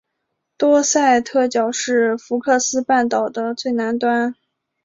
多塞特角是福克斯半岛的最南端。